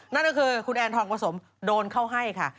นั่นก็คือคุณแอนทองผสมโดนเข้าให้ค่ะ